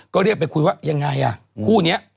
ก็เรียกไปคุยว่ายังไงอ่ะคู่นี้